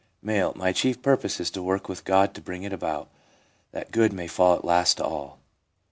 M. ' My chief purpose is to work with God to bring it about that "good may fall at last to all."